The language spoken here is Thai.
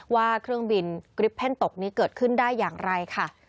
ว่าเครื่องบินกริปเพ่นตกนี้เกิดขึ้นได้อย่างไรค่ะ